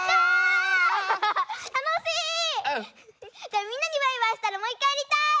じゃあみんなにバイバイしたらもういっかいやりたい！